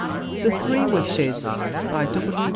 ] THE THREE WISHES. W.